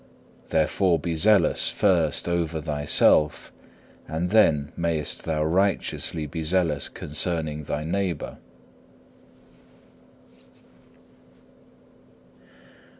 Therefore be zealous first over thyself, and then mayest thou righteously be zealous concerning thy neighbour.